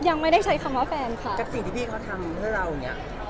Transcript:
ยังไม่ได้ใช้คำว่าแฟนค่ะกับสิ่งที่พี่เขาทำเพื่อเราอย่างเงี้ย